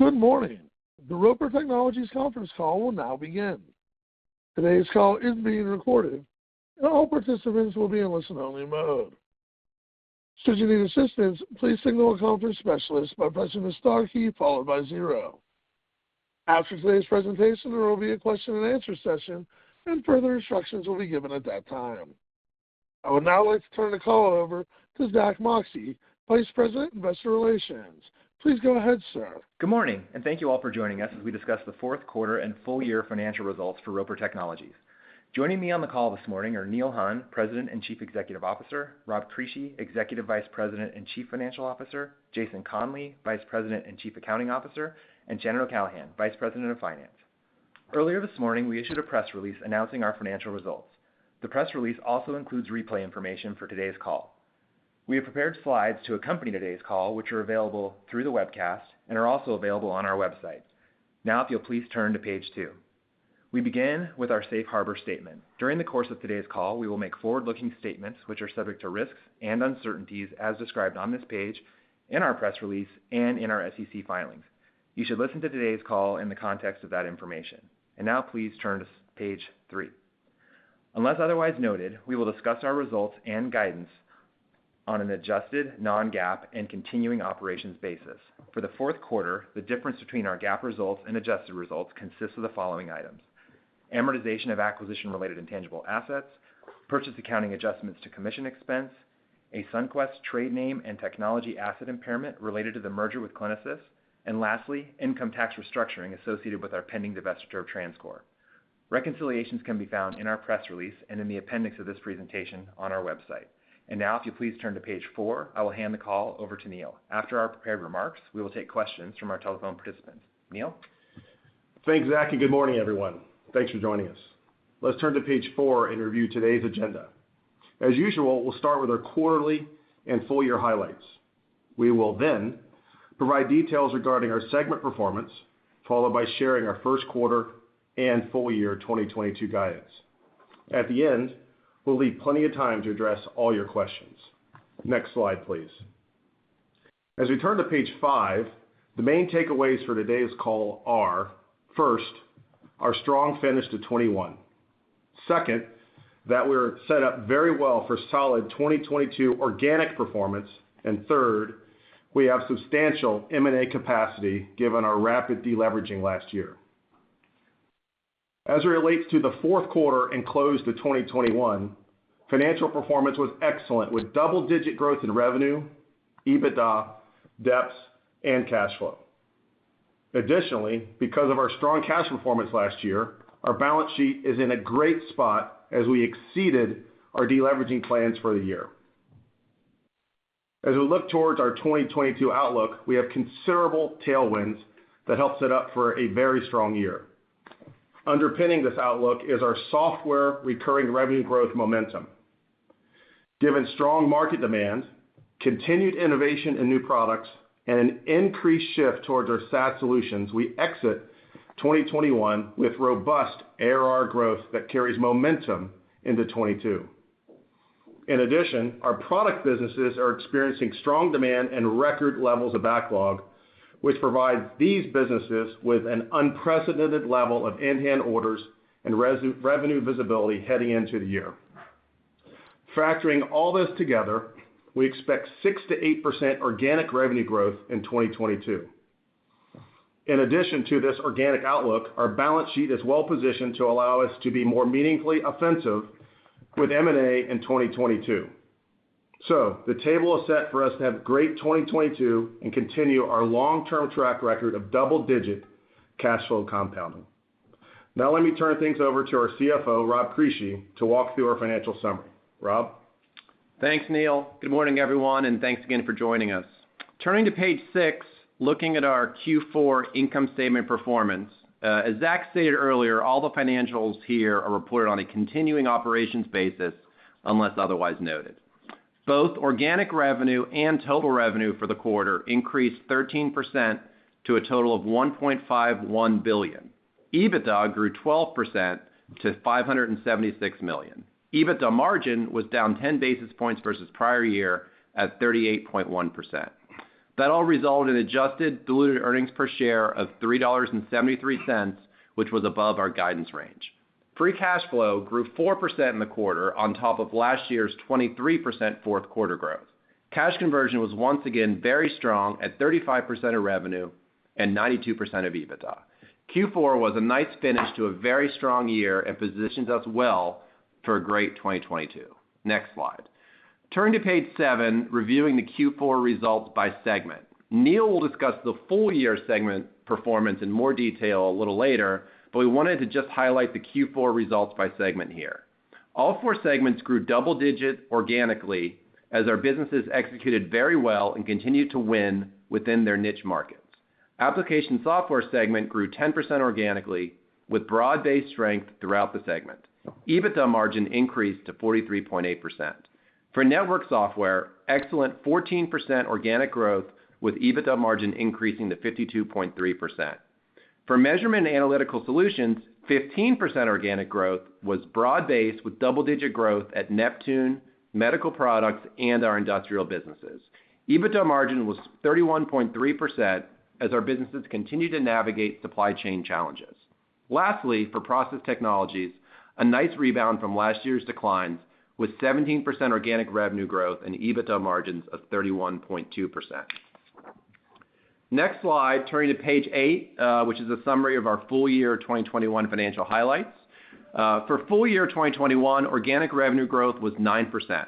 Good morning. The Roper Technologies conference call will now begin. Today's call is being recorded and all participants will be in listen only mode. Should you need assistance, please signal a conference specialist by pressing the star key followed by zero. After today's presentation, there will be a question and answer session and further instructions will be given at that time. I would now like to turn the call over to Zack Moxcey, Vice President, Investor Relations. Please go ahead, sir. Good morning, and thank you all for joining us as we discuss the fourth quarter and full year financial results for Roper Technologies. Joining me on the call this morning are Neil Hunn, President and Chief Executive Officer; Rob Crisci, Executive Vice President and Chief Financial Officer; Jason Conley, Vice President and Chief Accounting Officer; and Shannon O'Callaghan, Vice President of Finance. Earlier this morning, we issued a press release announcing our financial results. The press release also includes replay information for today's call. We have prepared slides to accompany today's call, which are available through the webcast and are also available on our website. Now, if you'll please turn to page two. We begin with our safe harbor statement. During the course of today's call, we will make forward-looking statements which are subject to risks and uncertainties as described on this page, in our press release, and in our SEC filings. You should listen to today's call in the context of that information. Now please turn to page three. Unless otherwise noted, we will discuss our results and guidance on an adjusted non-GAAP and continuing operations basis. For the fourth quarter, the difference between our GAAP results and adjusted results consists of the following items: amortization of acquisition-related intangible assets, purchase accounting adjustments to commission expense, a Sunquest trade name and technology asset impairment related to the merger with CliniSys, and lastly, income tax restructuring associated with our pending divestiture of TransCore. Reconciliations can be found in our press release and in the appendix of this presentation on our website. Now, if you'll please turn to page four, I will hand the call over to Neil. After our prepared remarks, we will take questions from our telephone participants. Neil? Thanks, Zack, and good morning, everyone. Thanks for joining us. Let's turn to page four and review today's agenda. As usual, we'll start with our quarterly and full year highlights. We will then provide details regarding our segment performance, followed by sharing our first quarter and full year 2022 guidance. At the end, we'll leave plenty of time to address all your questions. Next slide, please. As we turn to page five, the main takeaways for today's call are, first, our strong finish to 2021. Second, that we're set up very well for solid 2022 organic performance. Third, we have substantial M&A capacity given our rapid deleveraging last year. As it relates to the fourth quarter and close to 2021, financial performance was excellent, with double-digit growth in revenue, EBITDA, DEPS, and cash flow. Additionally, because of our strong cash performance last year, our balance sheet is in a great spot as we exceeded our deleveraging plans for the year. As we look towards our 2022 outlook, we have considerable tailwinds that help set up for a very strong year. Underpinning this outlook is our software recurring revenue growth momentum. Given strong market demand, continued innovation in new products, and an increased shift towards our SaaS solutions, we exit 2021 with robust ARR growth that carries momentum into 2022. In addition, our product businesses are experiencing strong demand and record levels of backlog, which provides these businesses with an unprecedented level of in-hand orders and recurring revenue visibility heading into the year. Factoring all this together, we expect 6%-8% organic revenue growth in 2022. In addition to this organic outlook, our balance sheet is well positioned to allow us to be more meaningfully offensive with M&A in 2022. The table is set for us to have great 2022 and continue our long-term track record of double-digit cash flow compounding. Now let me turn things over to our CFO, Rob Crisci, to walk through our financial summary. Rob? Thanks, Neil. Good morning, everyone, and thanks again for joining us. Turning to page six, looking at our Q4 income statement performance. As Zack stated earlier, all the financials here are reported on a continuing operations basis unless otherwise noted. Both organic revenue and total revenue for the quarter increased 13% to a total of $1.51 billion. EBITDA grew 12% to $576 million. EBITDA margin was down 10 basis points versus prior year at 38.1%. That all resulted in adjusted diluted earnings per share of $3.73, which was above our guidance range. Free cash flow grew 4% in the quarter on top of last year's 23% fourth quarter growth. Cash conversion was once again very strong at 35% of revenue and 92% of EBITDA. Q4 was a nice finish to a very strong year and positions us well for a great 2022. Next slide. Turning to page seven, reviewing the Q4 results by segment. Neil will discuss the full year segment performance in more detail a little later, but we wanted to just highlight the Q4 results by segment here. All four segments grew double-digit organically as our businesses executed very well and continued to win within their niche markets. Application software segment grew 10% organically with broad-based strength throughout the segment. EBITDA margin increased to 43.8%. For network software, excellent 14% organic growth with EBITDA margin increasing to 52.3%. For Measurement analytical solutions, 15% organic growth was broad-based with double-digit growth at Neptune, medical products, and our industrial businesses. EBITDA margin was 31.3% as our businesses continue to navigate supply chain challenges. Lastly, for process technologies, a nice rebound from last year's declines with 17% organic revenue growth and EBITDA margins of 31.2%. Next slide, turning to page eight, which is a summary of our full year 2021 financial highlights. For full year 2021, organic revenue growth was 9%.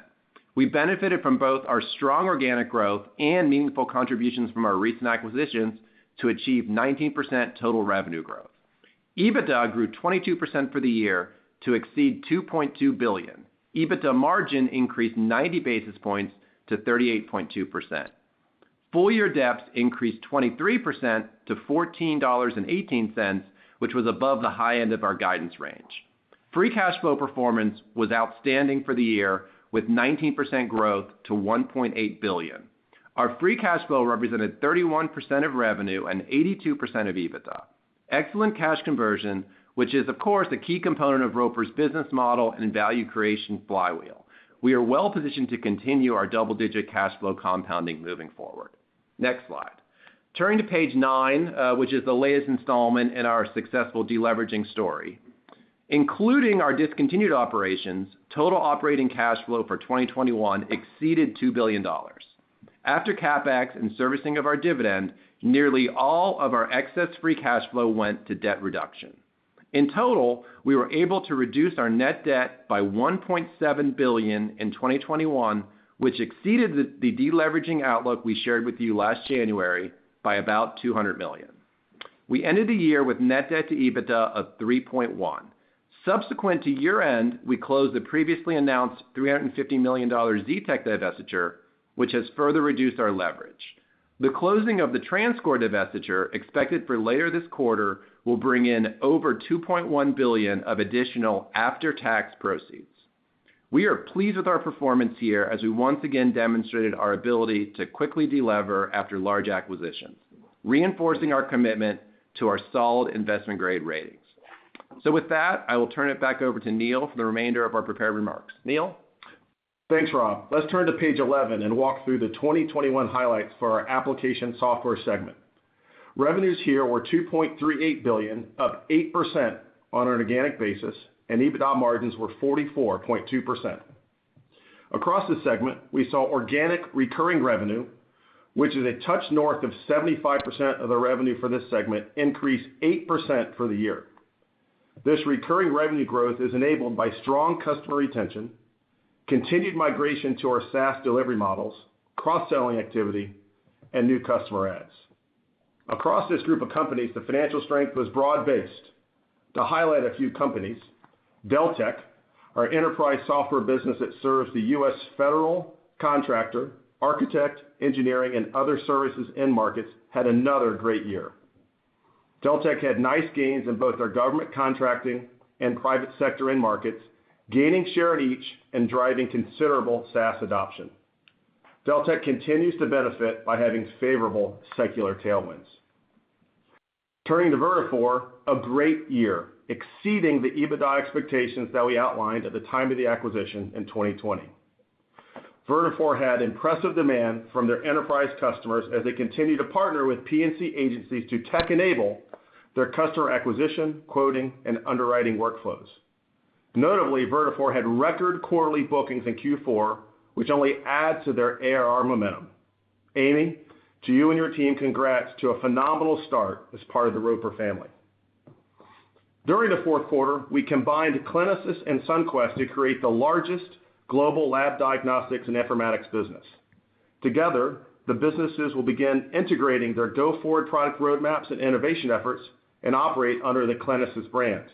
We benefited from both our strong organic growth and meaningful contributions from our recent acquisitions to achieve 19% total revenue growth. EBITDA grew 22% for the year to exceed $2.2 billion. EBITDA margin increased 90 basis points to 38.2%. Full year DEPS increased 23% to $14.18, which was above the high end of our guidance range. Free cash flow performance was outstanding for the year with 19% growth to $1.8 billion. Our free cash flow represented 31% of revenue and 82% of EBITDA. Excellent cash conversion, which is of course, a key component of Roper's business model and value creation flywheel. We are well-positioned to continue our double-digit cash flow compounding moving forward. Next slide. Turning to page nine, which is the latest installment in our successful deleveraging story. Including our discontinued operations, total operating cash flow for 2021 exceeded $2 billion. After CapEx and servicing of our dividend, nearly all of our excess free cash flow went to debt reduction. In total, we were able to reduce our net debt by $1.7 billion in 2021, which exceeded the deleveraging outlook we shared with you last January by about $200 million. We ended the year with net debt to EBITDA of 3.1x. Subsequent to year-end, we closed the previously announced $350 million Zetec divestiture, which has further reduced our leverage. The closing of the TransCore divestiture expected for later this quarter will bring in over $2.1 billion of additional after-tax proceeds. We are pleased with our performance here as we once again demonstrated our ability to quickly delever after large acquisitions, reinforcing our commitment to our solid investment-grade ratings. With that, I will turn it back over to Neil for the remainder of our prepared remarks. Neil? Thanks, Rob. Let's turn to page 11 and walk through the 2021 highlights for our application software segment. Revenues here were $2.38 billion, up 8% on an organic basis, and EBITDA margins were 44.2%. Across the segment, we saw organic recurring revenue, which is a touch north of 75% of the revenue for this segment, increase 8% for the year. This recurring revenue growth is enabled by strong customer retention, continued migration to our SaaS delivery models, cross-selling activity, and new customer adds. Across this group of companies, the financial strength was broad-based. To highlight a few companies, Deltek, our enterprise software business that serves the U.S. federal contractor, architect, engineering, and other services end markets, had another great year. Deltek had nice gains in both our government contracting and private sector end markets, gaining share in each and driving considerable SaaS adoption. Deltek continues to benefit by having favorable secular tailwinds. Turning to Vertafore, a great year, exceeding the EBITDA expectations that we outlined at the time of the acquisition in 2020. Vertafore had impressive demand from their enterprise customers as they continue to partner with P&C agencies to tech enable their customer acquisition, quoting, and underwriting workflows. Notably, Vertafore had record quarterly bookings in Q4, which only adds to their ARR momentum. Amy, to you and your team, congrats to a phenomenal start as part of the Roper family. During the fourth quarter, we combined CliniSys and Sunquest to create the largest global lab diagnostics and informatics business. Together, the businesses will begin integrating their go-forward product roadmaps and innovation efforts and operate under the CliniSys brand.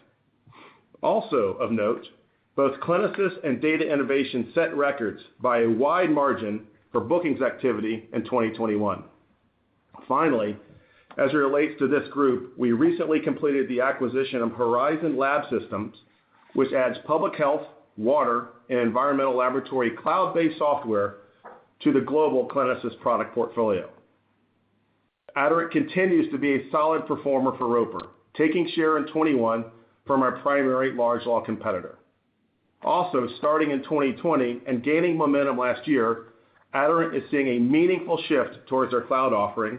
Also of note, both CliniSys and Data Innovations set records by a wide margin for bookings activity in 2021. Finally, as it relates to this group, we recently completed the acquisition of HORIZON Lab Systems, which adds public health, water, and environmental laboratory cloud-based software to the global CliniSys product portfolio. Aderant continues to be a solid performer for Roper, taking share in 2021 from our primary large law competitor. Also, starting in 2020 and gaining momentum last year, Aderant is seeing a meaningful shift towards our cloud offering,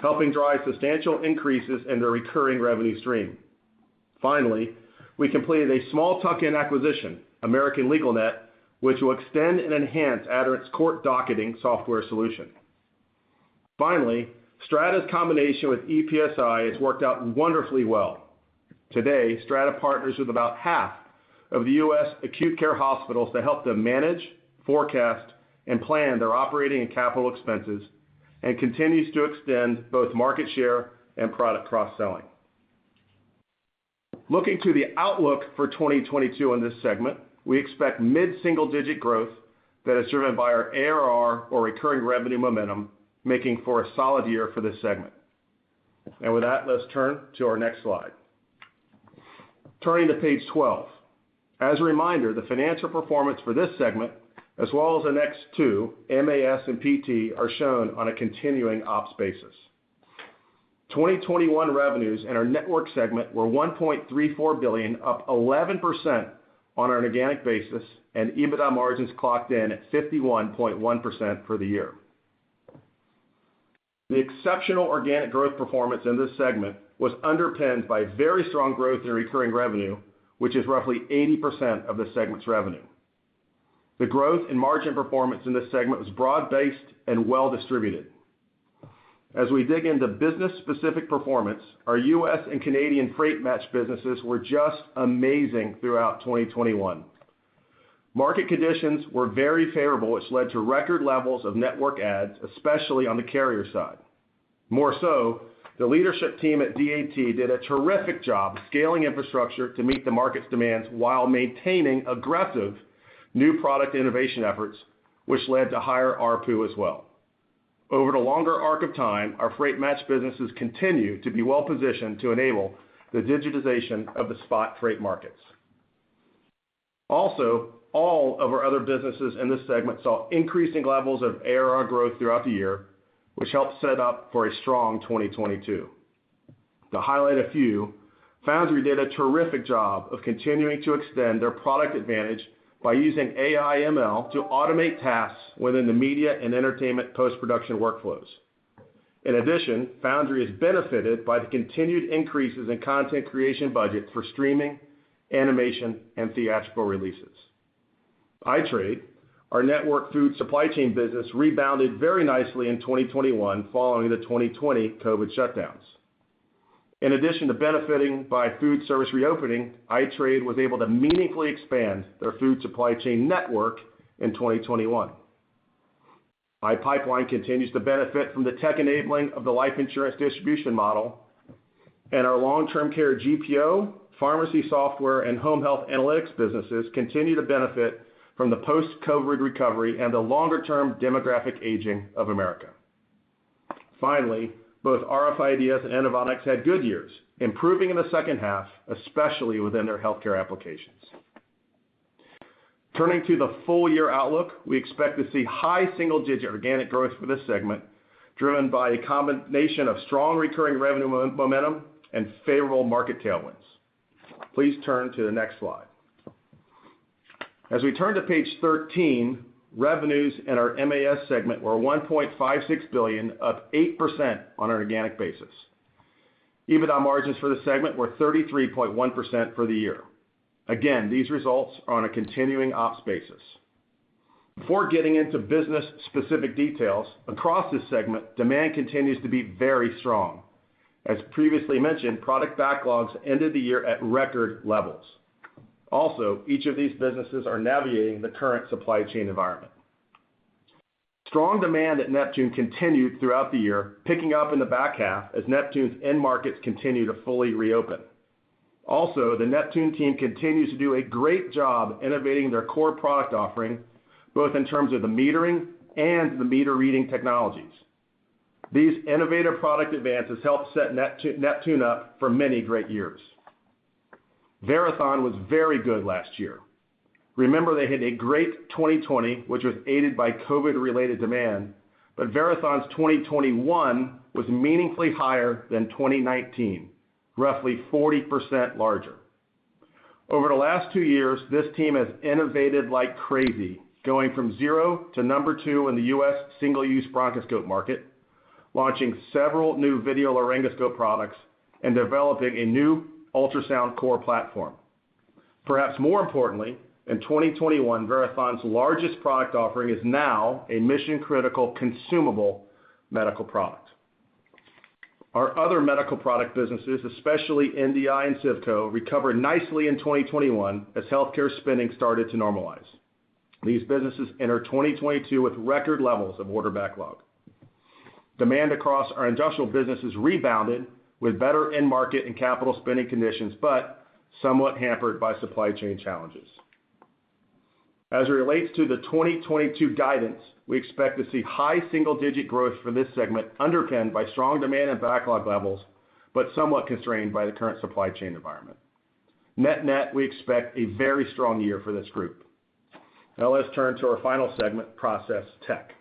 helping drive substantial increases in their recurring revenue stream. Finally, we completed a small tuck-in acquisition, American LegalNet, which will extend and enhance Aderant's court docketing software solution. Finally, Strata's combination with EPSI has worked out wonderfully well. Today, Strata partners with about half of the U.S. acute care hospitals to help them manage, forecast, and plan their operating and capital expenses, and continues to extend both market share and product cross-selling. Looking to the outlook for 2022 on this segment, we expect mid-single-digit growth that is driven by our ARR or recurring revenue momentum, making for a solid year for this segment. With that, let's turn to our next slide. Turning to page 12. As a reminder, the financial performance for this segment, as well as the next two, MAS and PT, are shown on a continuing ops basis. 2021 revenues in our network segment were $1.34 billion, up 11% on an organic basis, and EBITDA margins clocked in at 51.1% for the year. The exceptional organic growth performance in this segment was underpinned by very strong growth in recurring revenue, which is roughly 80% of the segment's revenue. The growth and margin performance in this segment was broad-based and well-distributed. As we dig into business-specific performance, our U.S. and Canadian Freight Match businesses were just amazing throughout 2021. Market conditions were very favorable, which led to record levels of network ads, especially on the carrier side. More so, the leadership team at DAT did a terrific job scaling infrastructure to meet the market's demands while maintaining aggressive new product innovation efforts, which led to higher ARPU as well. Over the longer arc of time, our Freight Match businesses continue to be well positioned to enable the digitization of the spot freight markets. Also, all of our other businesses in this segment saw increasing levels of ARR growth throughout the year, which helped set up for a strong 2022. To highlight a few, Foundry did a terrific job of continuing to extend their product advantage by using AI ML to automate tasks within the media and entertainment post-production workflows. In addition, Foundry is benefited by the continued increases in content creation budget for streaming, animation, and theatrical releases. iTrade, our network food supply chain business rebounded very nicely in 2021 following the 2020 COVID shutdowns. In addition to benefiting by food service reopening, iTrade was able to meaningfully expand their food supply chain network in 2021. iPipeline continues to benefit from the tech enabling of the life insurance distribution model, and our long-term care GPO, pharmacy software, and home health analytics businesses continue to benefit from the post-COVID recovery and the longer-term demographic aging of America. Finally, both rf IDEAS and Inovonics had good years, improving in the second half, especially within their healthcare applications. Turning to the full-year outlook, we expect to see high single-digit organic growth for this segment, driven by a combination of strong recurring revenue momentum and favorable market tailwinds. Please turn to the next slide. As we turn to page 13, revenues in our MAS segment were $1.56 billion, up 8% on an organic basis. EBITDA margins for the segment were 33.1% for the year. Again, these results are on a continuing ops basis. Before getting into business-specific details, across this segment, demand continues to be very strong. As previously mentioned, product backlogs ended the year at record levels. Also, each of these businesses are navigating the current supply chain environment. Strong demand at Neptune continued throughout the year, picking up in the back half as Neptune's end markets continue to fully reopen. Also, the Neptune team continues to do a great job innovating their core product offering, both in terms of the metering and the meter reading technologies. These innovative product advances help set Neptune up for many great years. Verathon was very good last year. Remember, they had a great 2020, which was aided by COVID-related demand, but Verathon's 2021 was meaningfully higher than 2019, roughly 40% larger. Over the last two years, this team has innovated like crazy, going from zero to number two in the U.S. single-use bronchoscope market, launching several new video laryngoscope products, and developing a new ultrasound core platform. Perhaps more importantly, in 2021, Verathon's largest product offering is now a mission-critical consumable medical product. Our other medical product businesses, especially NDI and Civco, recovered nicely in 2021 as healthcare spending started to normalize. These businesses enter 2022 with record levels of order backlog. Demand across our industrial businesses rebounded with better end market and capital spending conditions, but somewhat hampered by supply chain challenges. As it relates to the 2022 guidance, we expect to see high single-digit growth for this segment underpinned by strong demand and backlog levels, but somewhat constrained by the current supply chain environment. Net net, we expect a very strong year for this group. Now let's turn to our final segment, Process Tech.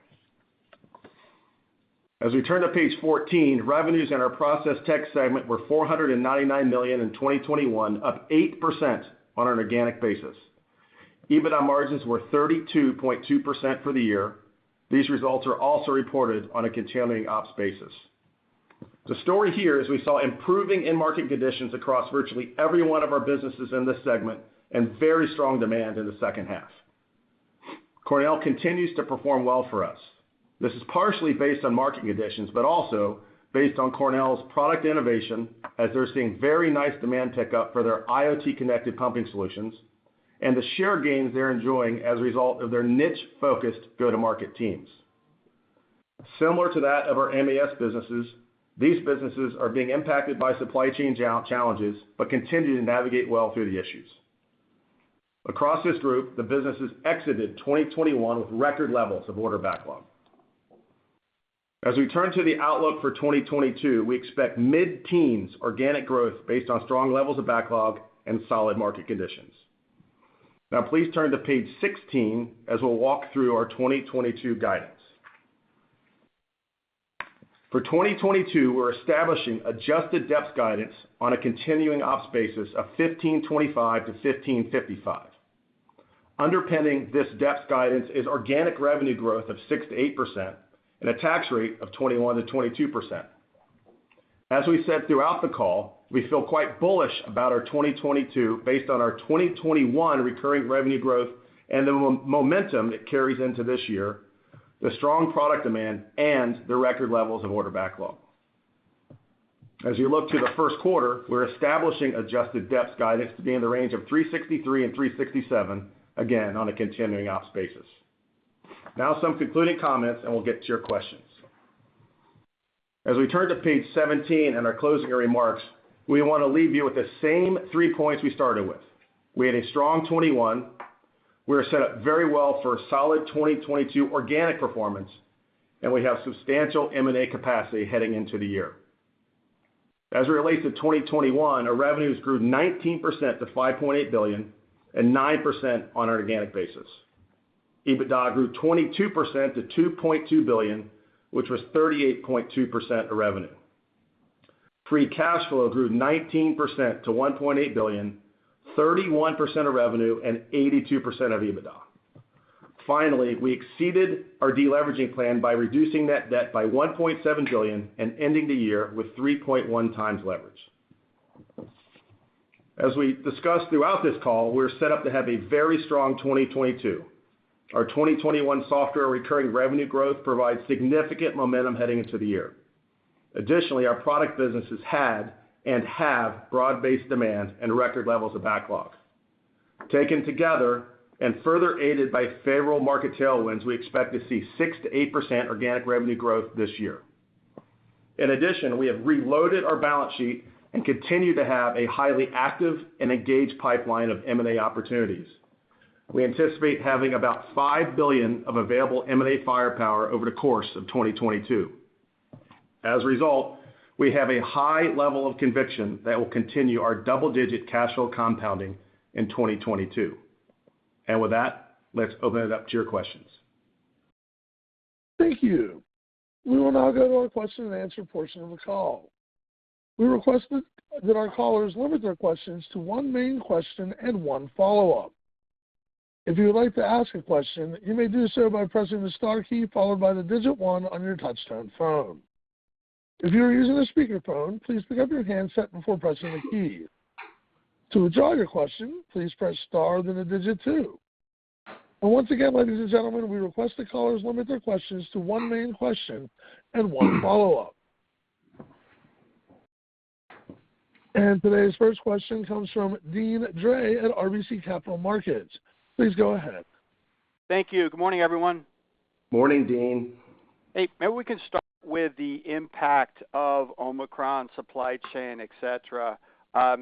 As we turn to page 14, revenues in our Process Tech segment were $499 million in 2021, up 8% on an organic basis. EBITDA margins were 32.2% for the year. These results are also reported on a continuing ops basis. The story here is we saw improving end market conditions across virtually every one of our businesses in this segment and very strong demand in the second half. Cornell continues to perform well for us. This is partially based on market conditions, but also based on Cornell's product innovation as they're seeing very nice demand tick up for their IoT-connected pumping solutions and the share gains they're enjoying as a result of their niche-focused go-to-market teams. Similar to that of our MAS businesses, these businesses are being impacted by supply chain challenges but continue to navigate well through the issues. Across this group, the businesses exited 2021 with record levels of order backlog. As we turn to the outlook for 2022, we expect mid-teens organic growth based on strong levels of backlog and solid market conditions. Now please turn to page 16 as we'll walk through our 2022 guidance. For 2022, we're establishing adjusted EPS guidance on a continuing ops basis of $15.25-$15.55. Underpinning this EPS guidance is organic revenue growth of 6%-8% and a tax rate of 21%-22%. As we said throughout the call, we feel quite bullish about our 2022 based on our 2021 recurring revenue growth and the momentum it carries into this year, the strong product demand, and the record levels of order backlog. As you look to the first quarter, we're establishing adjusted EPS guidance to be in the range of $3.63-$3.67, again, on a continuing ops basis. Now some concluding comments, and we'll get to your questions. As we turn to page 17 and our closing remarks, we want to leave you with the same three points we started with. We had a strong 2021. We are set up very well for a solid 2022 organic performance, and we have substantial M&A capacity heading into the year. As it relates to 2021, our revenues grew 19% to $5.8 billion and 9% on an organic basis. EBITDA grew 22% to $2.2 billion, which was 38.2% of revenue. Free cash flow grew 19% to $1.8 billion, 31% of revenue, and 82% of EBITDA. Finally, we exceeded our deleveraging plan by reducing net debt by $1.7 billion and ending the year with 3.1x leverage. As we discussed throughout this call, we're set up to have a very strong 2022. Our 2021 software recurring revenue growth provides significant momentum heading into the year. Additionally, our product businesses had and have broad-based demand and record levels of backlog. Taken together and further aided by favorable market tailwinds, we expect to see 6%-8% organic revenue growth this year. In addition, we have reloaded our balance sheet and continue to have a highly active and engaged pipeline of M&A opportunities. We anticipate having about $5 billion of available M&A firepower over the course of 2022. As a result, we have a high level of conviction that we'll continue our double-digit cash flow compounding in 2022. With that, let's open it up to your questions. Thank you. We will now go to our question-and-answer portion of the call. We request that our callers limit their questions to one main question and one follow-up. If you would like to ask a question, you may do so by pressing the star key followed by the digit one on your touch-tone phone. If you are using a speakerphone, please pick up your handset before pressing a key. To withdraw your question, please press star, then the digit two. Once again, ladies and gentlemen, we request that callers limit their questions to one main question and one follow-up. Today's first question comes from Deane Dray at RBC Capital Markets. Please go ahead. Thank you. Good morning, everyone. Morning, Deane. Hey, maybe we can start with the impact of Omicron supply chain, et cetera.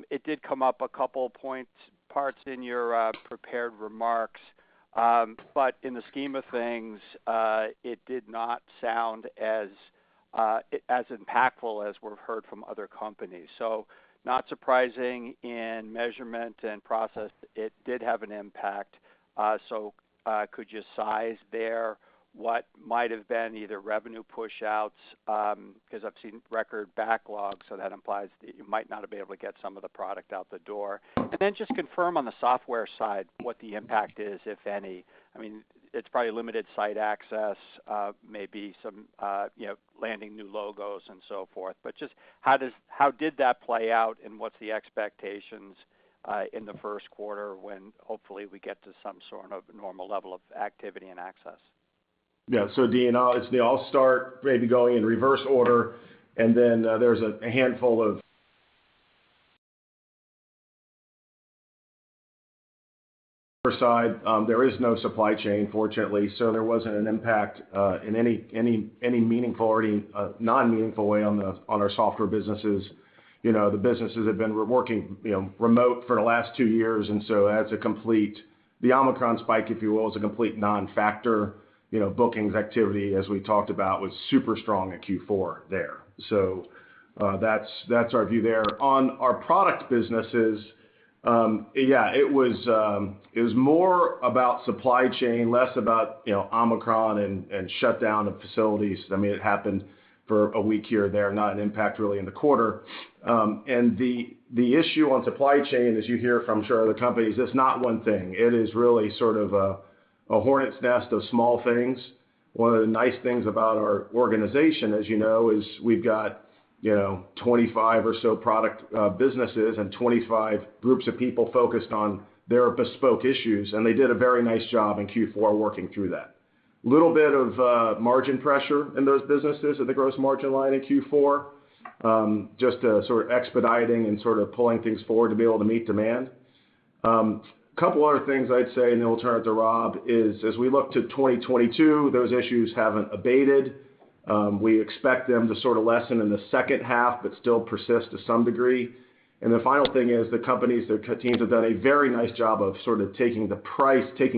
It did come up a couple parts in your prepared remarks. In the scheme of things, it did not sound as impactful as we've heard from other companies. Not surprising in measurement and process, it did have an impact. Could you size there what might have been either revenue push-outs, 'cause I've seen record backlogs, so that implies that you might not have been able to get some of the product out the door. Then just confirm on the software side what the impact is, if any. I mean, it's probably limited site access, maybe some, you know, landing new logos and so forth. Just how did that play out, and what's the expectations in the first quarter when hopefully we get to some sort of normal level of activity and access? Yeah. Deane, I'll start maybe going in reverse order, and then there is no supply chain, fortunately, so there wasn't an impact in any meaningful or non-meaningful way on our software businesses. You know, the businesses have been working, you know, remote for the last two years, and that's a complete. The Omicron spike, if you will, is a complete non-factor. You know, bookings activity, as we talked about, was super strong at Q4 there. That's our view there. On our product businesses, yeah, it was more about supply chain, less about, you know, Omicron and shutdown of facilities. I mean, it happened for a week here or there, not an impact really in the quarter. The issue on supply chain, as you hear from sure other companies, is not one thing. It is really sort of a hornet's nest of small things. One of the nice things about our organization, as you know, is we've got, you know, 25 or so product businesses and 25 groups of people focused on their bespoke issues, and they did a very nice job in Q4 working through that. Little bit of margin pressure in those businesses at the gross margin line in Q4, just sort of expediting and sort of pulling things forward to be able to meet demand. Couple other things I'd say, and then we'll turn it to Rob, is as we look to 2022, those issues haven't abated. We expect them to sort of lessen in the second half but still persist to some degree. The final thing is the companies, their teams have done a very nice job of sort of taking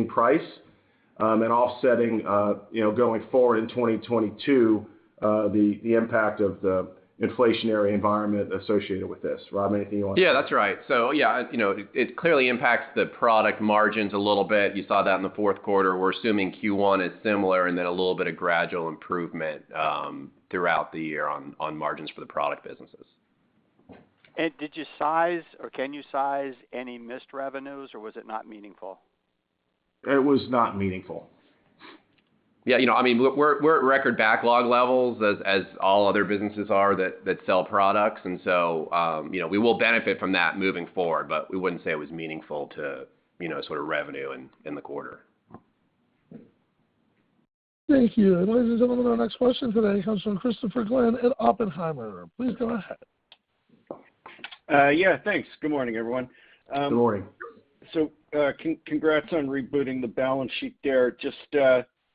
price and offsetting, you know, going forward in 2022, the impact of the inflationary environment associated with this. Rob, anything you wanna- Yeah, that's right. Yeah, you know, it clearly impacts the product margins a little bit. You saw that in the fourth quarter. We're assuming Q1 is similar and then a little bit of gradual improvement throughout the year on margins for the product businesses. Did you size or can you size any missed revenues or was it not meaningful? It was not meaningful. Yeah, you know, I mean, look, we're at record backlog levels as all other businesses are that sell products. You know, we will benefit from that moving forward, but we wouldn't say it was meaningful to, you know, sort of revenue in the quarter. Thank you. Ladies and gentlemen, our next question today comes from Christopher Glynn at Oppenheimer. Please go ahead. Yeah, thanks. Good morning, everyone. Good morning. Congrats on rebooting the balance sheet there. Just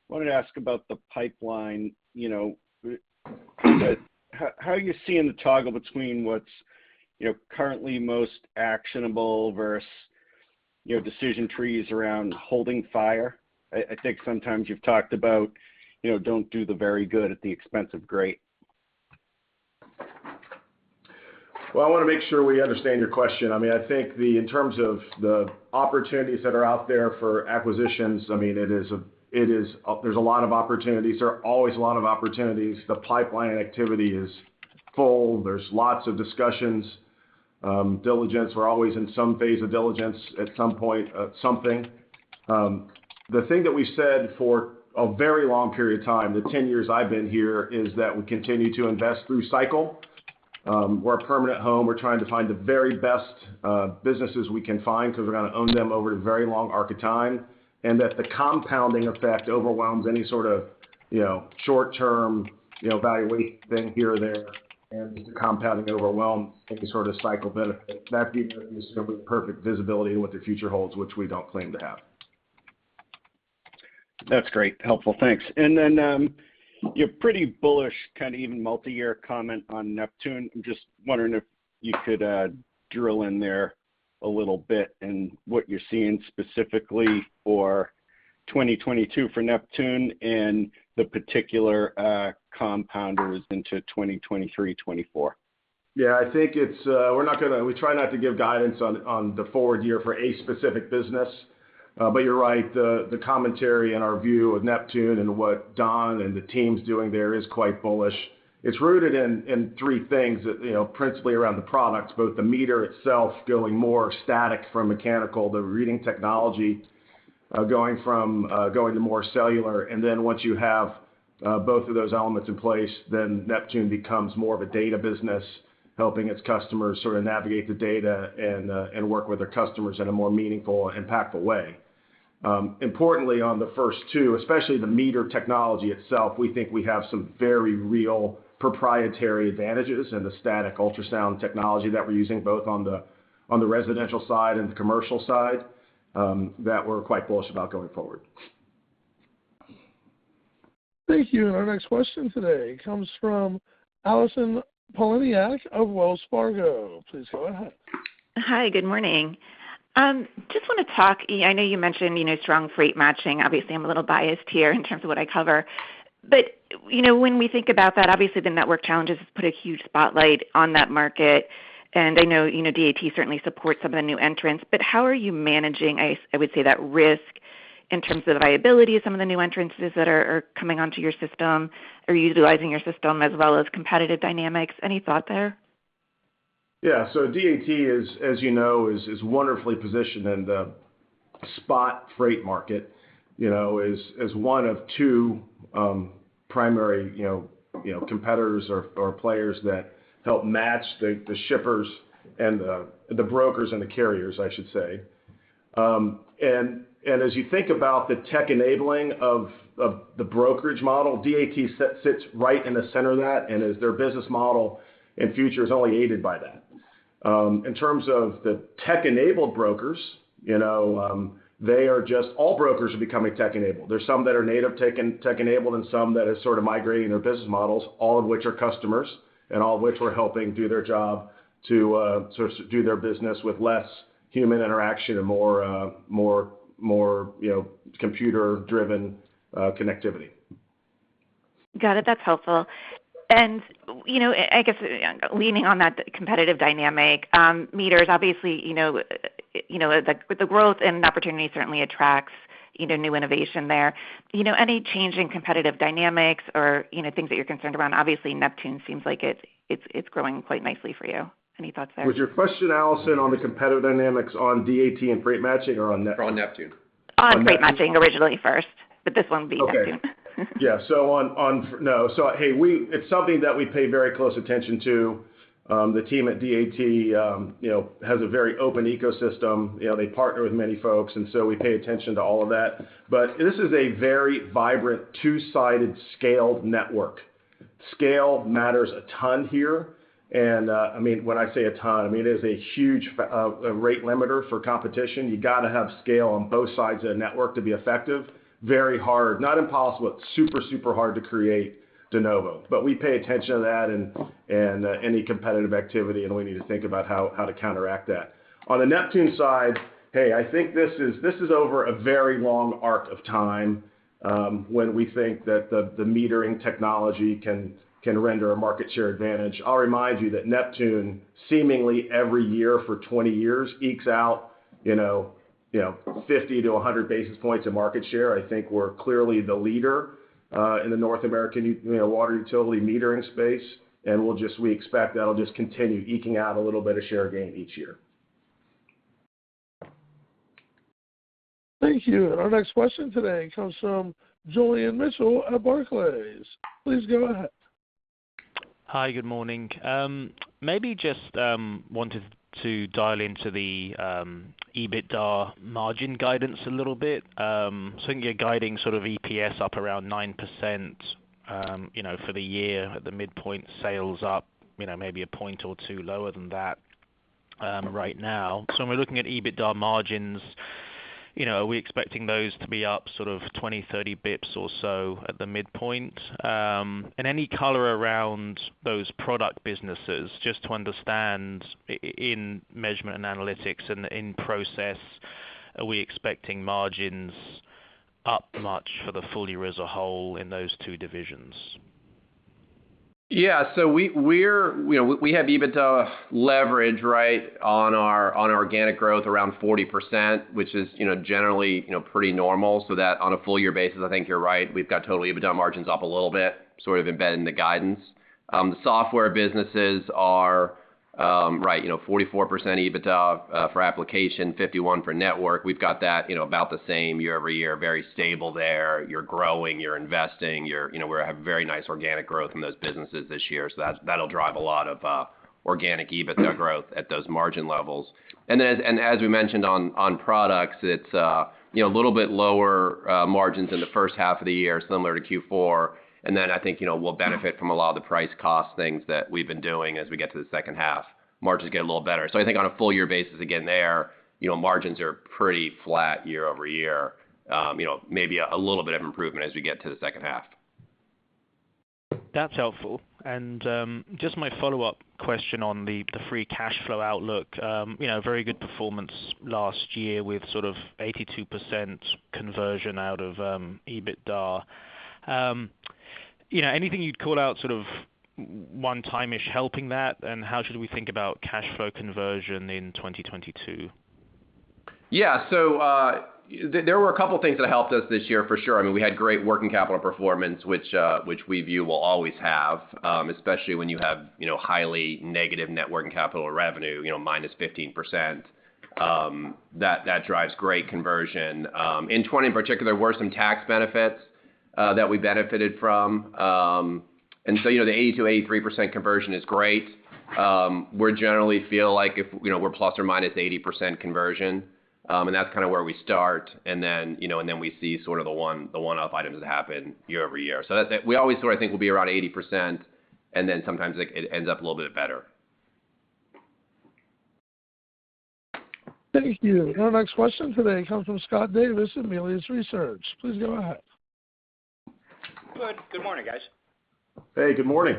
wanted to ask about the pipeline, you know, how are you seeing the toggle between what's currently most actionable versus decision trees around holding fire? I think sometimes you've talked about, you know, don't do the very good at the expense of great. Well, I wanna make sure we understand your question. I mean, I think in terms of the opportunities that are out there for acquisitions, I mean, there's a lot of opportunities. There are always a lot of opportunities. The pipeline activity is full. There's lots of discussions. Diligence, we're always in some phase of diligence at some point of something. The thing that we said for a very long period of time, the 10 years I've been here, is that we continue to invest through cycle. We're a permanent home. We're trying to find the very best businesses we can find 'cause we're gonna own them over a very long arc of time, and that the compounding effect overwhelms any sort of, you know, short term, you know, valuation thing here or there, and the compounding overwhelms any sort of cycle benefit. That being the case, there's no perfect visibility in what the future holds, which we don't claim to have. That's great. Helpful. Thanks. You're pretty bullish, kind of even multi-year comment on Neptune. I'm just wondering if you could drill in there a little bit and what you're seeing specifically for 2022 for Neptune and the particular compounders into 2023, 2024. Yeah, I think it's we try not to give guidance on the forward year for a specific business. You're right. The commentary and our view of Neptune and what Don and the team's doing there is quite bullish. It's rooted in three things that, you know, principally around the products, both the meter itself going more static from mechanical, the reading technology going to more cellular. Then once you have both of those elements in place, then Neptune becomes more of a data business, helping its customers sort of navigate the data and work with their customers in a more meaningful and impactful way. Importantly, on the first two, especially the meter technology itself, we think we have some very real proprietary advantages in the static ultrasound technology that we're using both on the residential side and the commercial side, that we're quite bullish about going forward. Thank you. Our next question today comes from Allison Poliniak of Wells Fargo. Please go ahead. Hi. Good morning. Just wanna talk. I know you mentioned, you know, strong freight matching. Obviously, I'm a little biased here in terms of what I cover. You know, when we think about that, obviously, the network challenges has put a huge spotlight on that market. I know, you know, DAT certainly supports some of the new entrants. How are you managing, I would say, that risk in terms of the viability of some of the new entrants that are coming onto your system or utilizing your system as well as competitive dynamics? Any thought there? Yeah. DAT is, as you know, wonderfully positioned in the spot freight market, you know, as one of two primary competitors or players that help match the shippers and the brokers and the carriers, I should say. As you think about the tech enabling of the brokerage model, DAT sits right in the center of that, and as their business model and future is only aided by that. In terms of the tech-enabled brokers, you know, all brokers are becoming tech-enabled. There's some that are native tech and tech-enabled and some that are sort of migrating their business models, all of which are customers and all of which we're helping do their job too, sort of do their business with less human interaction and more, you know, computer-driven connectivity. Got it. That's helpful. You know, I guess leaning on that competitive dynamic, meters, obviously, you know, the growth and opportunity certainly attracts, you know, new innovation there. You know, any change in competitive dynamics or, you know, things that you're concerned around? Obviously, Neptune seems like it's growing quite nicely for you. Any thoughts there? Was your question, Allison, on the competitive dynamics on DAT and freight matching or on Neptune? On Neptune... On freight matching originally first, but this one will be Neptune. It's something that we pay very close attention to. The team at DAT, you know, has a very open ecosystem. You know, they partner with many folks, and we pay attention to all of that. This is a very vibrant two-sided scaled network. Scale matters a ton here. I mean, when I say a ton, I mean, it is a huge rate limiter for competition. You gotta have scale on both sides of the network to be effective. Very hard, not impossible. It's super hard to create de novo. We pay attention to that and any competitive activity, and we need to think about how to counteract that. On the Neptune side, I think this is over a very long arc of time, when we think that the metering technology can render a market share advantage. I'll remind you that Neptune, seemingly every year for 20 years, ekes out 50 basis points-100 basis points of market share. I think we're clearly the leader, you know, in the North American water utility metering space, and we expect that'll just continue eking out a little bit of share gain each year. Thank you. Our next question today comes from Julian Mitchell at Barclays. Please go ahead. Hi, good morning. Maybe just wanted to dial into the EBITDA margin guidance a little bit. When you're guiding sort of EPS up around 9%, you know, for the year at the midpoint sales up, you know, maybe a point or two lower than that, right now. When we're looking at EBITDA margins, you know, are we expecting those to be up sort of 20 basis points, 30 basis points or so at the midpoint? And any color around those product businesses, just to understand in measurement and analytics and in process, are we expecting margins up much for the full year as a whole in those two divisions? Yeah. We have EBITDA leverage, right, on our organic growth around 40%, which is generally pretty normal. That on a full year basis, I think you're right, we've got total EBITDA margins up a little bit, sort of embedded in the guidance. The software businesses are right, you know, 44% EBITDA for application, 51% for network. We've got that about the same year-over-year, very stable there. You're growing, you're investing, you know, we have very nice organic growth in those businesses this year. That's, that'll drive a lot of organic EBITDA growth at those margin levels. As we mentioned on products, it's, you know, a little bit lower margins in the first half of the year, similar to Q4. I think we'll benefit from a lot of the price cost things that we've been doing as we get to the second half. Margins get a little better. I think on a full year basis, again, you know, margins are pretty flat year-over-year. You know, maybe a little bit of improvement as we get to the second half. That's helpful. Just my follow-up question on the free cash flow outlook, you know, very good performance last year with sort of 82% conversion out of EBITDA. You know, anything you'd call out sort of one-time-ish helping that? How should we think about cash flow conversion in 2022? Yeah. There were a couple of things that helped us this year for sure. I mean, we had great working capital performance, which we view we'll always have, especially when you have, you know, highly negative net working capital revenue, you know, minus 15%, that drives great conversion. In 2020 in particular, there were some tax benefits that we benefited from. You know, the 80%-83% conversion is great. We generally feel like if, you know, we're plus or minus 80% conversion, and that's kinda where we start. You know, we see sort of the one-off items that happen year-over-year. We always sort of think we'll be around 80%, and then sometimes it ends up a little bit better. Thank you. Our next question today comes from Scott Davis at Melius Research. Please go ahead. Good morning, guys. Hey, good morning.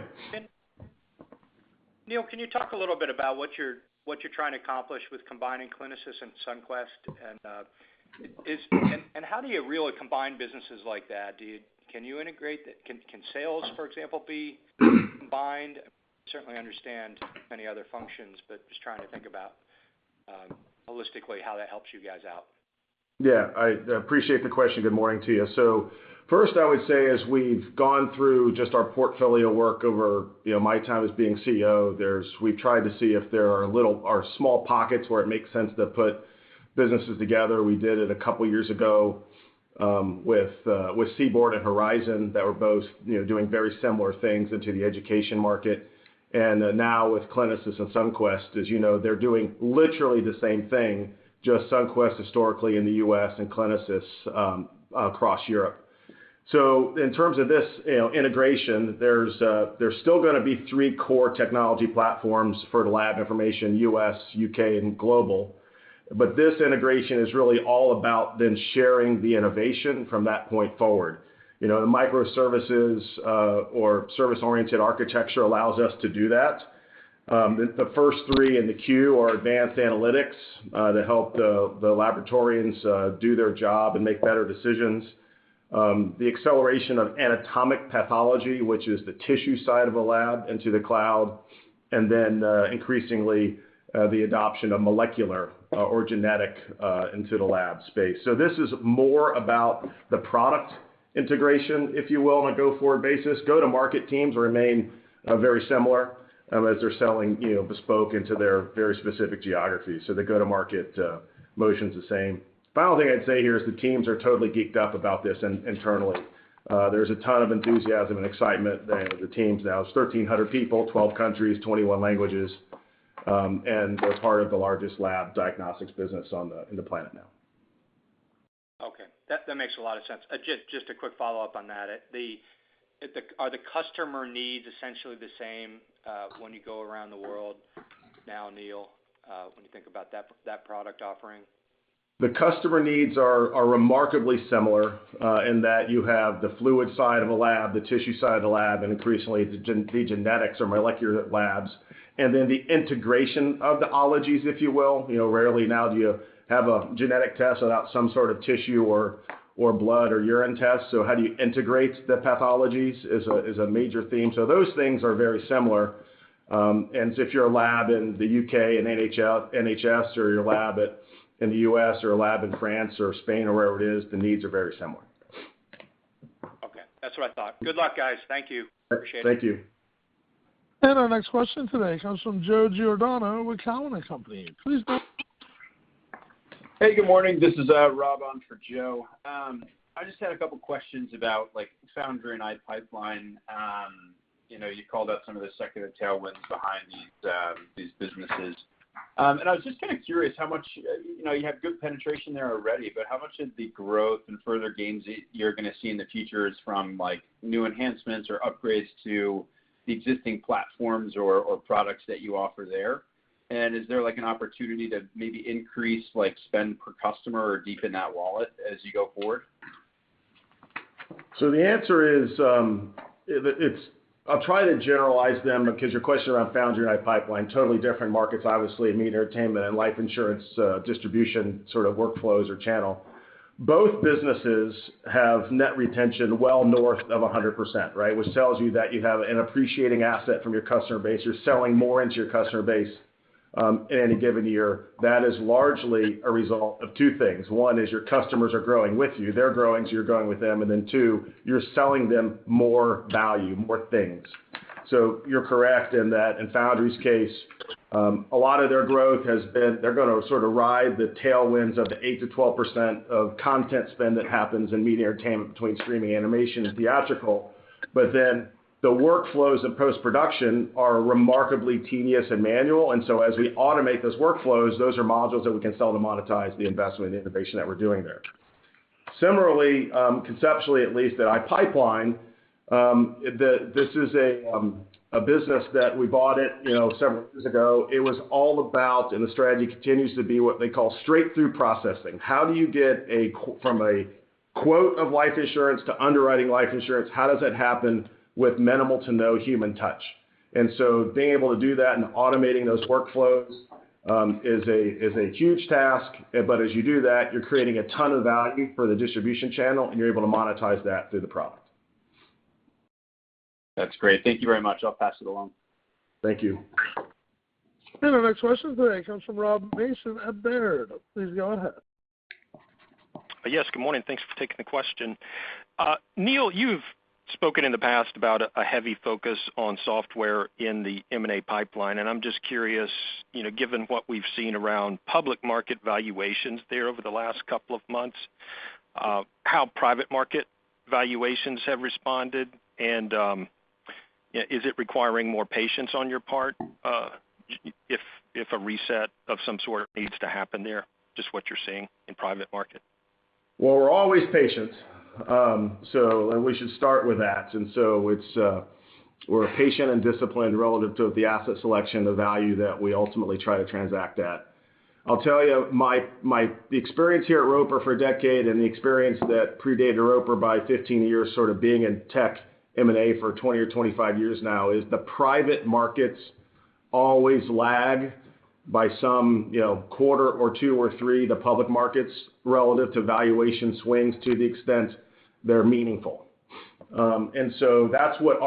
Neil, can you talk a little bit about what you're trying to accomplish with combining CliniSys and Sunquest? How do you really combine businesses like that? Can sales, for example, be combined? I certainly understand many other functions, but just trying to think about holistically how that helps you guys out. Yeah. I appreciate the question. Good morning to you. First, I would say as we've gone through just our portfolio work over, you know, my time as being CEO, there's. We've tried to see if there are little or small pockets where it makes sense to put businesses together. We did it a couple of years ago with CBORD and Horizon that were both, you know, doing very similar things into the education market. Now with CliniSys and Sunquest, as you know, they're doing literally the same thing, just Sunquest historically in the U.S. and CliniSys across Europe. In terms of this, you know, integration, there's still gonna be three core technology platforms for lab information, U.S., U.K., and global. This integration is really all about then sharing the innovation from that point forward. You know, the microservices, or service-oriented architecture allows us to do that. The first three in the queue are advanced analytics, to help the laboratorians, do their job and make better decisions. The acceleration of anatomic pathology, which is the tissue side of a lab into the cloud, and then, increasingly, the adoption of molecular or genetic, into the lab space. This is more about the product integration, if you will, on a go-forward basis. Go-to-market teams remain, very similar, as they're selling, you know, bespoke into their very specific geographies. The go-to-market motion's the same. Final thing I'd say here is the teams are totally geeked up about this internally. There's a ton of enthusiasm and excitement. The team is now 1,300 people, 12 countries, 21 languages, and we're part of the largest lab diagnostics business on the planet now. That makes a lot of sense. Just a quick follow-up on that. Are the customer needs essentially the same when you go around the world now, Neil, when you think about that product offering? The customer needs are remarkably similar in that you have the fluid side of a lab, the tissue side of a lab, and increasingly the genetics or molecular labs, and then the integration of the ologies, if you will. You know, rarely now do you have a genetic test without some sort of tissue or blood or urine test. How do you integrate the pathologies is a major theme. Those things are very similar. If you're a lab in the U.K., an NHS, or you're a lab in the U.S., or a lab in France or Spain or wherever it is, the needs are very similar. Okay. That's what I thought. Good luck, guys. Thank you. Appreciate it. Thank you. Our next question today comes from Joe Giordano with Cowen and Company. Please go ahead. Hey, good morning. This is Rob on for Joe. I just had a couple questions about, like, Foundry and iPipeline. You know, you called out some of the secular tailwinds behind these businesses. I was just kind of curious how much, you know, you have good penetration there already, but how much of the growth and further gains you're gonna see in the future is from, like, new enhancements or upgrades to the existing platforms or products that you offer there? Is there, like, an opportunity to maybe increase, like, spend per customer or deepen that wallet as you go forward? The answer is, it's... I'll try to generalize them because your question around Foundry and iPipeline, totally different markets, obviously. I mean, entertainment and life insurance, distribution sort of workflows or channel. Both businesses have net retention well north of 100%, right? Which tells you that you have an appreciating asset from your customer base. You're selling more into your customer base, in any given year. That is largely a result of two things. One is your customers are growing with you. They're growing, you're growing with them. Then two, you're selling them more value, more things. You're correct in that. In Foundry's case, a lot of their growth has been they're gonna sort of ride the tailwinds of the 8%-12% of content spend that happens in media entertainment between streaming animation and theatrical. The workflows in post-production are remarkably tedious and manual. As we automate those workflows, those are modules that we can sell to monetize the investment and innovation that we're doing there. Similarly, conceptually, at least, at iPipeline, this is a business that we bought, you know, several years ago. It was all about, and the strategy continues to be what they call straight-through processing. How do you get from a quote of life insurance to underwriting life insurance, how does that happen with minimal to no human touch? Being able to do that and automating those workflows is a huge task. As you do that, you're creating a ton of value for the distribution channel, and you're able to monetize that through the product. That's great. Thank you very much. I'll pass it along. Thank you. Our next question today comes from Rob Mason at Baird. Please go ahead. Yes, good morning. Thanks for taking the question. Neil, you've spoken in the past about a heavy focus on software in the M&A pipeline, and I'm just curious, you know, given what we've seen around public market valuations there over the last couple of months, how private market valuations have responded, and is it requiring more patience on your part, if a reset of some sort needs to happen there? Just what you're seeing in private market. Well, we're always patient. We should start with that. We're patient and disciplined relative to the asset selection, the value that we ultimately try to transact at. I'll tell you my experience here at Roper for a decade and the experience that predated Roper by 15 years, sort of being in tech M&A for 20 or 25 years now, is the private markets always lag by some, you know, quarter or two or three, the public markets relative to valuation swings to the extent they're meaningful. That's what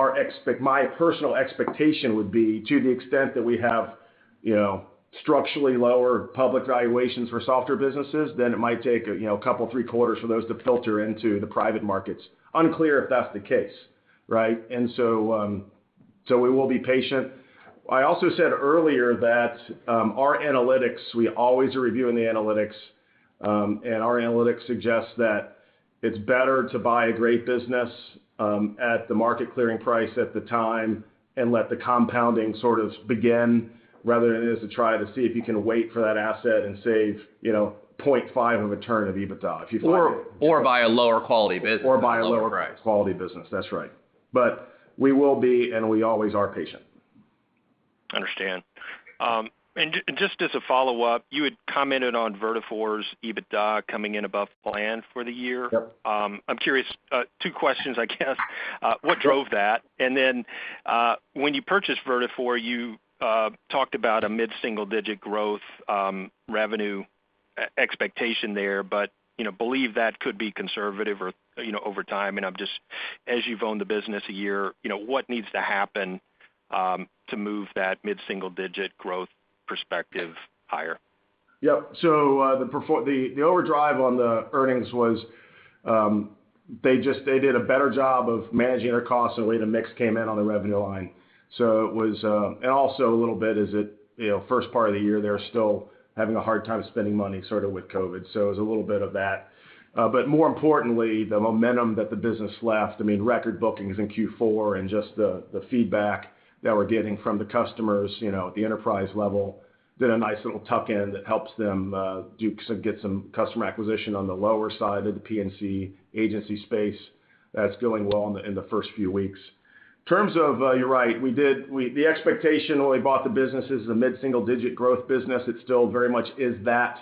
my personal expectation would be to the extent that we have, you know, structurally lower public valuations for software businesses, then it might take a, you know, couple three quarters for those to filter into the private markets. Unclear if that's the case, right? we will be patient. I also said earlier that our analytics, we always are reviewing the analytics, and our analytics suggests that it's better to buy a great business at the market clearing price at the time and let the compounding sort of begin rather than it is to try to see if you can wait for that asset and save, you know, 0.5 of a turn of EBITDA if you find it. Or by a lower quality business at a lower price. Or by a lower quality business. That's right. We will be, and we always are patient. Understood. Just as a follow-up, you had commented on Vertafore's EBITDA coming in above plan for the year. Yep. I'm curious, two questions, I guess. What drove that? When you purchased Vertafore, you talked about a mid-single digit growth revenue expectation there, but you know, believe that could be conservative or, you know, over time. I'm just as you've owned the business a year, you know, what needs to happen to move that mid-single digit growth perspective higher? Yep. The overdrive on the earnings was they did a better job of managing their costs and the way the mix came in on the revenue line. It was a little bit of it, you know, first part of the year, they're still having a hard time spending money sort of with COVID. It was a little bit of that. But more importantly, the momentum that the business left, I mean, record bookings in Q4 and just the feedback that we're getting from the customers, you know, at the enterprise level, did a nice little tuck-in that helps them get some customer acquisition on the lower side of the P&C agency space. That's going well in the first few weeks. In terms of, you're right, the expectation when we bought the business is the mid-single-digit growth business. It still very much is that.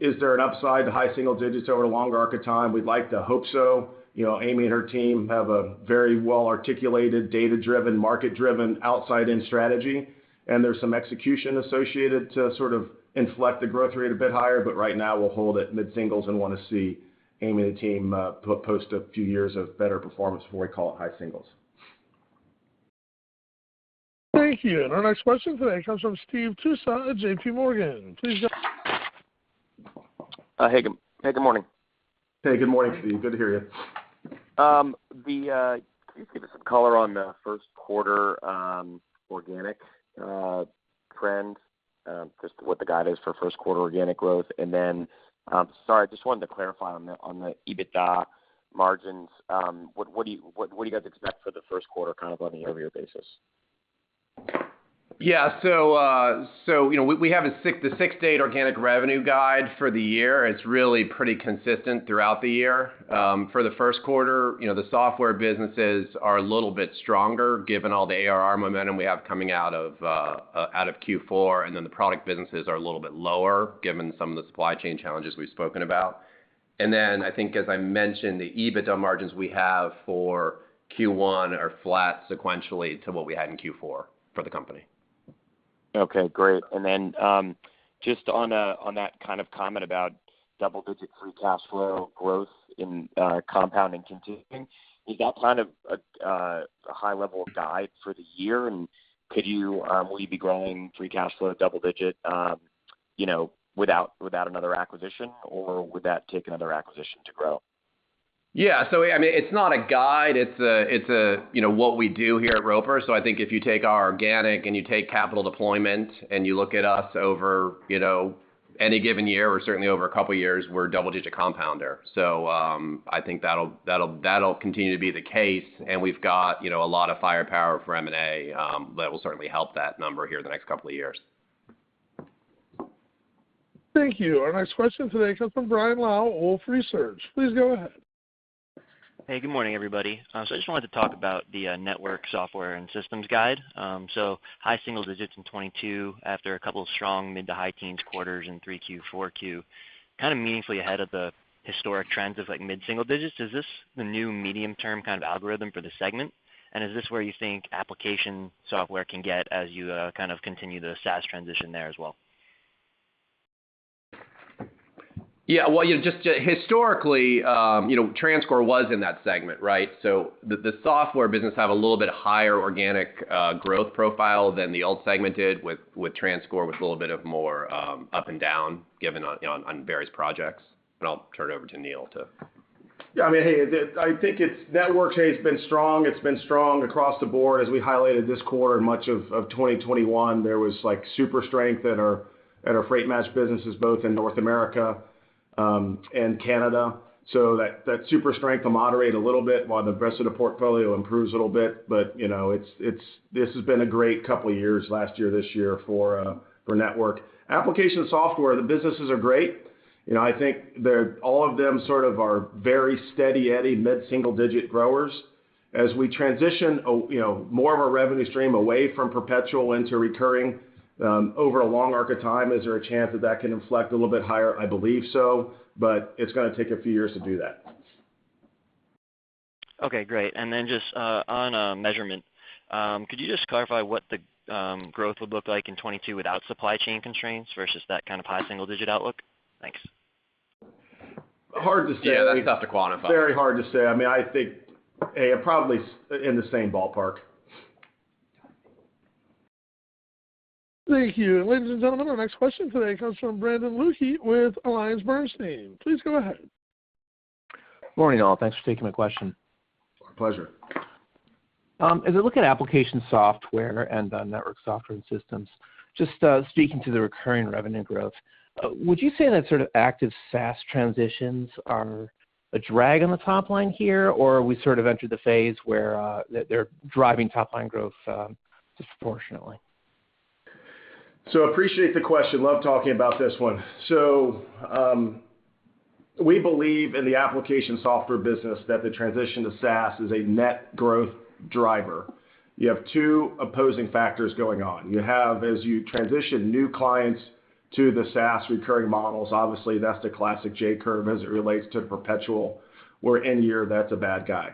Is there an upside to high single digits over the long arc of time? We'd like to hope so. You know, Amy and her team have a very well-articulated, data-driven, market-driven outside-in strategy, and there's some execution associated to sort of inflect the growth rate a bit higher. But right now, we'll hold at mid-singles and wanna see Amy and the team post a few years of better performance before we call it high singles. Thank you. Our next question today comes from Steve Tusa at JPMorgan. Please go. Hey, good morning. Hey, good morning, Steve. Good to hear you. Can you just give us some color on the first quarter organic trends, just what the guide is for first quarter organic growth? Sorry, I just wanted to clarify on the EBITDA margins, what do you guys expect for the first quarter kind of on a year-over-year basis? We have a 6%-8% organic revenue guide for the year. It's really pretty consistent throughout the year. For the first quarter, you know, the software businesses are a little bit stronger given all the ARR momentum we have coming out of Q4, and then the product businesses are a little bit lower given some of the supply chain challenges we've spoken about. I think as I mentioned, the EBITDA margins we have for Q1 are flat sequentially to what we had in Q4 for the company. Okay, great. Just on that kind of comment about double digit free cash flow growth in compounding continuing, is that kind of a high level guide for the year? Will you be growing free cash flow double digit, you know, without another acquisition, or would that take another acquisition to grow? Yeah. I mean, it's not a guide. It's a, you know, what we do here at Roper. I think if you take our organic and you take capital deployment and you look at us over, you know, any given year or certainly over a couple years, we're a double-digit compounder. I think that'll continue to be the case. We've got, you know, a lot of firepower for M&A, that will certainly help that number here in the next couple of years. Thank you. Our next question today comes from Brian Lau, Wolfe Research. Please go ahead. Hey, good morning, everybody. I just wanted to talk about the network software and systems group. High-single digits in 2022 after a couple of strong mid to high-teens quarters in 3Q, 4Q, kind of meaningfully ahead of the historic trends of like mid-single digits. Is this the new medium-term kind of algorithm for the segment? Is this where you think application software can get as you kind of continue the SaaS transition there as well? Yeah. Well, you know, just historically, you know, TransCore was in that segment, right? So the software business have a little bit higher organic growth profile than the old segment did with TransCore, with a little bit more up and down given on, you know, on various projects. I'll turn it over to Neil to Yeah, I mean, hey, I think the networks have been strong. It's been strong across the board as we highlighted this quarter, much of 2021, there was like super strength at our Freight Match businesses, both in North America and Canada. That super strength will moderate a little bit while the rest of the portfolio improves a little bit. You know, it's this has been a great couple of years, last year, this year for networks. Application software, the businesses are great. You know, I think they're all of them sort of are very steady-eddy mid-single-digit growers. As we transition, you know, more of our revenue stream away from perpetual into recurring over a long arc of time, is there a chance that that can inflect a little bit higher? I believe so, but it's gonna take a few years to do that. Okay, great. Just on measurement, could you just clarify what the growth would look like in 2022 without supply chain constraints versus that kind of high single digit outlook? Thanks. Hard to say. Yeah, that's tough to quantify. Very hard to say. I mean, I think, A, probably in the same ballpark. Thank you. Ladies and gentlemen, our next question today comes from Brendan Luecke with AllianceBernstein. Please go ahead. Morning, all. Thanks for taking my question. Our pleasure. As I look at application software and the network software and systems, just speaking to the recurring revenue growth, would you say that sort of active SaaS transitions are a drag on the top line here, or are we sort of entered the phase where they're driving top line growth disproportionately? Appreciate the question. Love talking about this one. We believe in the application software business that the transition to SaaS is a net growth driver. You have two opposing factors going on. You have, as you transition new clients to the SaaS recurring models, obviously that's the classic J-curve as it relates to perpetual or N year, that's a bad guy.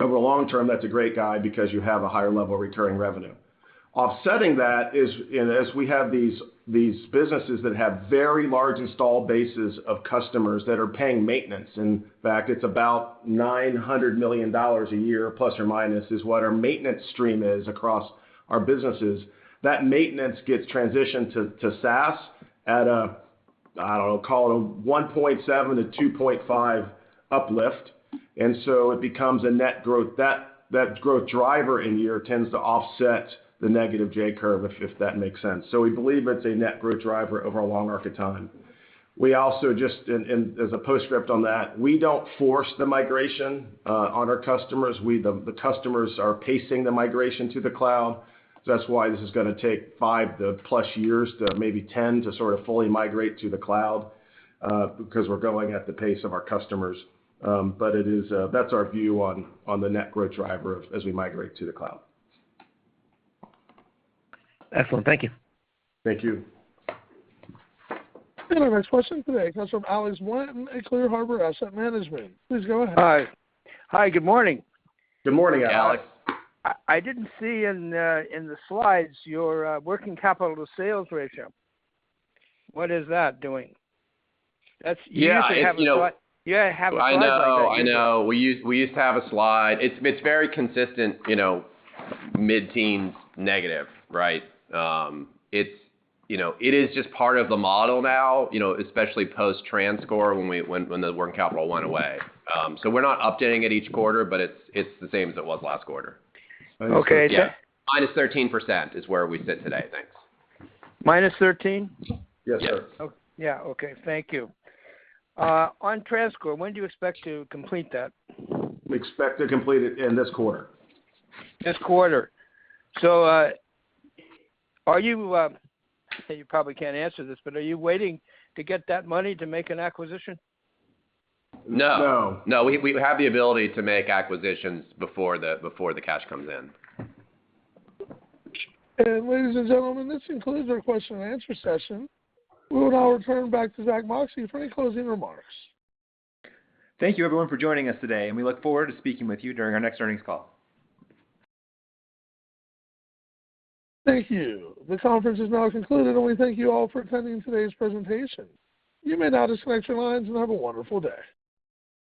Over the long term, that's a great guy because you have a higher level of recurring revenue. Offsetting that is in, as we have these businesses that have very large installed bases of customers that are paying maintenance. In fact, it's about $900 million a year plus or minus is what our maintenance stream is across our businesses. That maintenance gets transitioned to SaaS at a, I don't know, call it a 1.7-2.5 uplift. It becomes a net growth. That growth driver in year tends to offset the negative J-curve, if that makes sense. We believe it's a net growth driver over a long arc of time. We also, as a postscript on that, we don't force the migration on our customers. The customers are pacing the migration to the cloud. That's why this is gonna take five-plus years to maybe 10 years to sort of fully migrate to the cloud, because we're going at the pace of our customers. But it is, that's our view on the net growth driver as we migrate to the cloud. Excellent. Thank you. Thank you. Our next question today comes from Alex Blanton at Clear Harbor Asset Management. Please go ahead. Hi. Hi. Good morning. Good morning, Alex. I didn't see in the slides your working capital to sales ratio. What is that doing? That's Yeah. You usually have a slide. You know. You have a slide like that usually. I know. We used to have a slide. It's very consistent, you know, mid-teens negative, right? It's you know, it is just part of the model now, you know, especially post-TransCore when the working capital went away. We're not updating it each quarter, but it's the same as it was last quarter. Okay. Yeah. -13% is where we sit today. Thanks. -13%? Yes, sir. Yep. Oh, yeah. Okay. Thank you. On TransCore, when do you expect to complete that? We expect to complete it in this quarter. This quarter. You probably can't answer this, but are you waiting to get that money to make an acquisition? No. No. No. We have the ability to make acquisitions before the cash comes in. Ladies and gentlemen, this concludes our question and answer session. We will now return back to Zack Moxcey for any closing remarks. Thank you everyone for joining us today, and we look forward to speaking with you during our next earnings call. Thank you. The conference is now concluded, and we thank you all for attending today's presentation. You may now disconnect your lines and have a wonderful day.